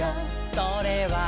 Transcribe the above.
「それはね